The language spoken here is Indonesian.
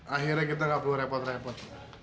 akhirnya kita nggak perlu repot repot